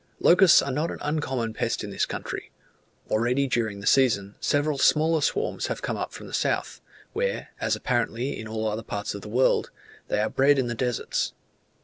Locusts are not an uncommon pest in this country: already during the season, several smaller swarms had come up from the south, where, as apparently in all other parts of the world, they are bred in the deserts.